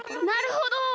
なるほど。